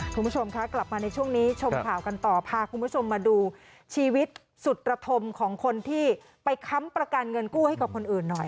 คุณผู้ชมคะกลับมาในช่วงนี้ชมข่าวกันต่อพาคุณผู้ชมมาดูชีวิตสุดระทมของคนที่ไปค้ำประกันเงินกู้ให้กับคนอื่นหน่อย